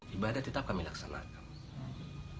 ibadah tetap kami laksanakan